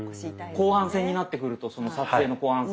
後半戦になってくるとその撮影の後半戦。